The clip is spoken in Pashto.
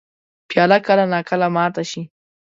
پیاله کله نا کله ماته شي.